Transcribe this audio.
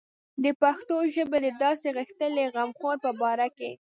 د پښتو ژبې د داسې غښتلي غمخور په باره کې.